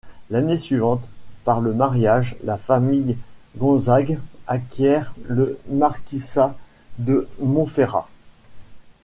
L'année suivante, par le mariage, la famille Gonzague acquiert le marquisat de Montferrat.